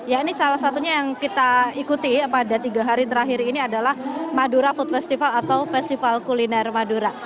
ya ini salah satunya yang kita ikuti pada tiga hari terakhir ini adalah madura food festival atau festival kuliner madura